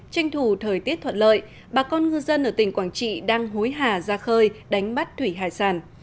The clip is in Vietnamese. tranh thủ thời tiết thuận lợi bà con ngư dân ở tỉnh quảng trị đang hối hả ra khơi đánh bắt thủy hải sản